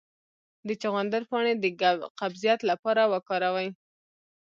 د چغندر پاڼې د قبضیت لپاره وکاروئ